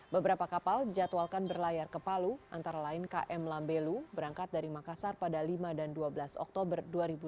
beberapa kapal dijadwalkan berlayar ke palu antara lain km lambelu berangkat dari makassar pada lima dan dua belas oktober dua ribu dua puluh